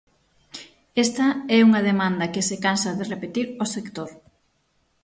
Esta é unha demanda que se cansa de repetir o sector.